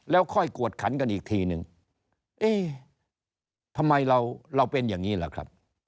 แล้วค่อยกวดขันกันอีกทีนึงเอ๊ะทำไมเราเป็นอย่างนี้ล่ะครับ